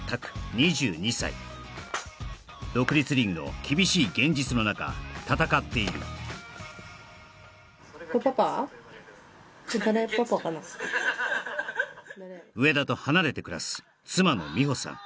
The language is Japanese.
２２歳独立リーグの厳しい現実の中戦っている植田と離れて暮らす妻の実穂さん